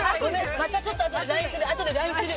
◆またちょっとあとでＬＩＮＥする。